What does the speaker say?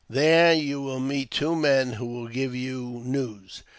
There you will meet two men who will give you news."